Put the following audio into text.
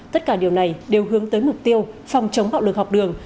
tất cả điều này đều hướng tới mục tiêu phòng chống bạo lực học đường